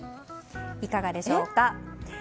いかがでしょうか。